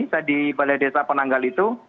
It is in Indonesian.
saya di balai desa penanggal itu